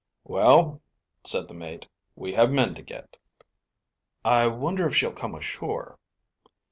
"Well," said the mate, "we have men to get." "I wonder if she'll come ashore?"